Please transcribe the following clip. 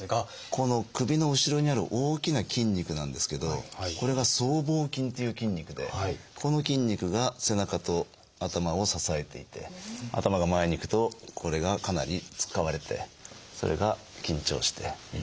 この首の後ろにある大きな筋肉なんですけどこれが僧帽筋っていう筋肉でここの筋肉が背中と頭を支えていて頭が前にいくとこれがかなり使われてそれが緊張して痛みが続いてしまうと。